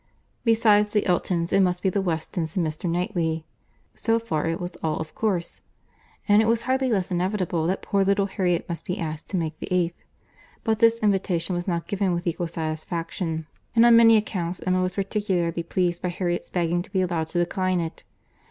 Besides the Eltons, it must be the Westons and Mr. Knightley; so far it was all of course—and it was hardly less inevitable that poor little Harriet must be asked to make the eighth:—but this invitation was not given with equal satisfaction, and on many accounts Emma was particularly pleased by Harriet's begging to be allowed to decline it.